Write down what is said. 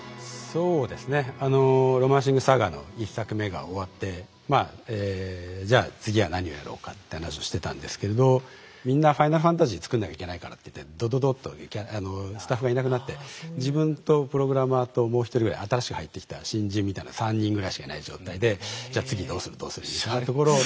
そうですね「ロマンシングサガ」の１作目が終わってまあじゃあ次は何をやろうかって話をしてたんですけれどみんな「ファイナルファンタジー」作んなきゃいけないからってドドドッとスタッフがいなくなって自分とプログラマーともう一人ぐらい新しく入ってきた新人みたいな３人ぐらいしかいない状態でじゃ次どうするどうするみたいなところを。